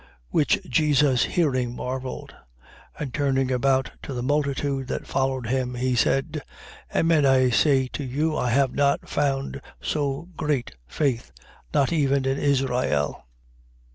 7:9. Which Jesus hearing, marvelled: and turning about to the multitude that followed him, he said: Amen I say to you, I have not found so great faith, not even in Israel.